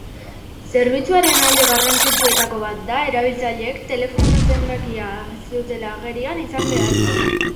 Zerbitzuaren alde garrantzitsuetako bat da erabiltzaileek telefono zenbakia ez dutela agerian izan beharko.